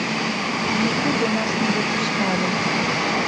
Нікуды нас не выпускалі.